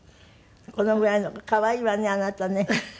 このぐらいの可愛いわねあなたね。